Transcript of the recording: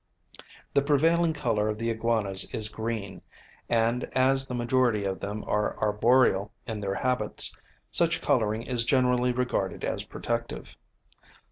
The prevailing colour of the iguanas is green; and, as the majority of them are arboreal in their habits, such colouring is generally regarded as protective.